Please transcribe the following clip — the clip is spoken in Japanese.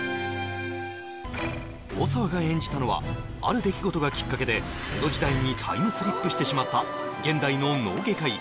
大沢が演じたのはある出来事がきっかけで江戸時代にタイムスリップしてしまった現代の脳外科医